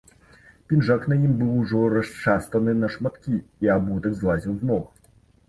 Пінжак на ім быў ужо расшастаны на шматкі, і абутак злазіў з ног.